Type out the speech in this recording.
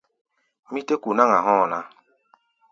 Mí tɛ́ ku̧ náŋ-a hɔ̧́ɔ̧ ná.